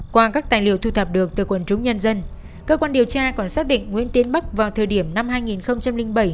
qua các tài liệu thu thập được từ quần chúng nhân dân cơ quan điều tra còn xác định nguyễn tiến bắc vào thời điểm năm hai nghìn bảy